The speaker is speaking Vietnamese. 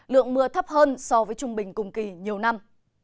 lượng mưa thấp hơn so với trung bình cùng kỳ nhiều năm